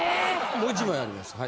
もう１枚あります